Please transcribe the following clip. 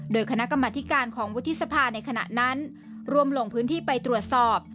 โดยคณะกรรมธิการของวุฒิสภาในขณะนั้นรวมลงพื้นที่ไปตรวจสอบ